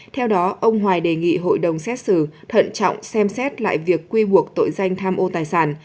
theo đó ông hoài đề nghị hội đồng xét xử thận trọng xem xét lại việc quy buộc tội danh tham ô tài sản